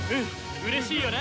うれしいよな！